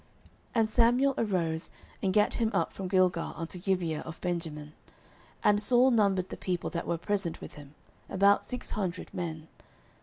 09:013:015 And Samuel arose, and gat him up from Gilgal unto Gibeah of Benjamin. And Saul numbered the people that were present with him, about six hundred men.